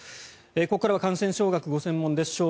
ここからは感染症学がご専門です